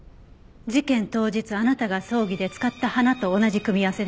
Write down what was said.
事件当日あなたが葬儀で使った花と同じ組み合わせですね。